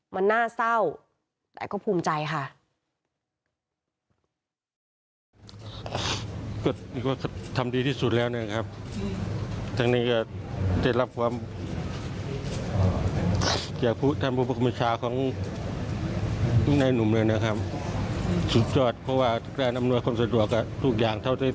มันน่าเศร้าแต่ก็ภูมิใจค่ะ